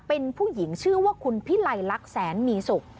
เป็นผู้หญิงชื่อว่าคุณพิไลลักษณ์แสนมีสุข